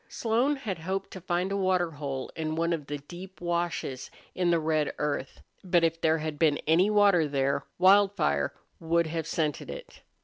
Slone had hoped to find a water hole in one of the deep washes in the red earth, but if there had been any water there Wildfire would have scented it.